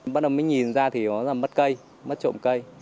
bắt đầu mình nhìn ra thì mất cây mất trộm cây